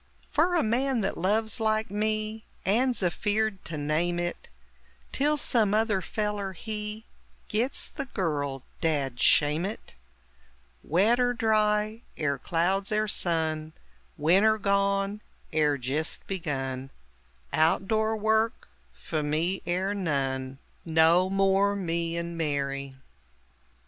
Fer a man that loves, like me, And's afeard to name it, Till some other feller, he Gits the girl dad shame it! Wet er dry, er clouds er sun Winter gone, er jist begun Out door work few me er none. No more "Me and Mary!"